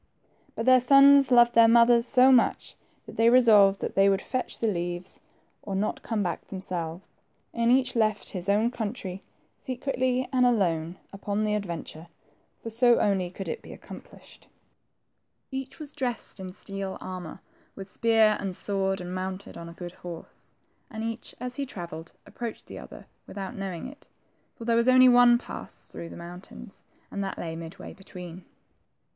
But their sons loved their mothers so much that they resolved that they would fetch the leaves or 68 THE TWO PEIHCES. not come bacl^ themselves, and each left his own country, secretly and alone, upon the adventure, for so only could it be accomplished. Each was dressed in steel armor, with spear and sword, and mounted on a good horse ; and each, as he travelled, approached the other without knowing it, for there was only one pass through the moun tains, and that lay midway between.